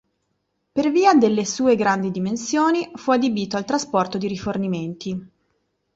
Per via delle sue grandi dimensioni fu adibito al trasporto di rifornimenti.